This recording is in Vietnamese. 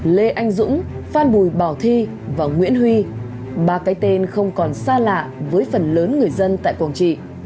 lê anh dũng phan bùi bảo thi và nguyễn huy ba cái tên không còn xa lạ với phần lớn người dân tại quảng trị